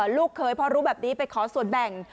ลูกเคยพอรู้แบบนี้ไปขอส่วนแบ่ง